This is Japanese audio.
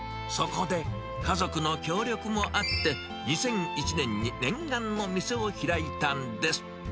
そこで、家族の協力もあって、２００１年に念願の店を開いたんです。